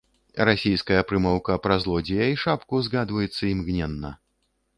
Расійская прымаўка пра злодзея і шапку згадваецца імгненна.